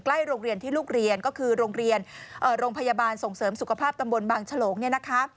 โรงเรียนที่ลูกเรียนก็คือโรงเรียนโรงพยาบาลส่งเสริมสุขภาพตำบลบางฉลงเนี่ยนะคะ